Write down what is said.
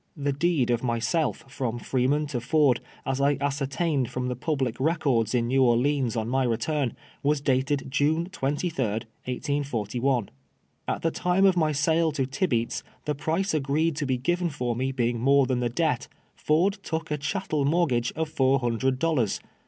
The deed of myself from Freeman to Furd, as I ascertained from the puhlic records in Xew Orleans on my return, was dated June 23d, 1S41. At the time of my sale to Tibeats, the price agreed to be given for me beini;; more than the debt, Ford took a cliattel moi tgafre of four hundred dollars.